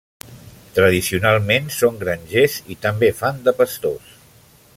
Tradicionalment són grangers i també fan de pastors.